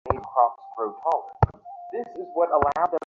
তুমি কি নিশ্চিত, শেনয়?